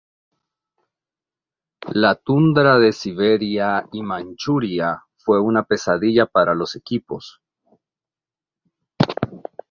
La tundra de Siberia y Manchuria fue una pesadilla para los equipos.